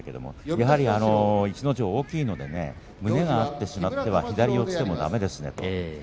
やはり逸ノ城が大きいので胸が合ってしまっては左四つでもだめですねと。